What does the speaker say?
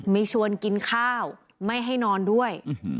ชวนกินข้าวไม่ให้นอนด้วย